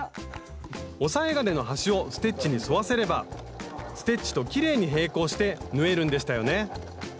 押さえ金の端をステッチに沿わせればステッチときれいに平行して縫えるんでしたよね